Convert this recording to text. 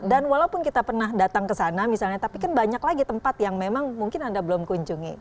dan walaupun kita pernah datang kesana misalnya tapi kan banyak lagi tempat yang memang mungkin anda belum kunjungi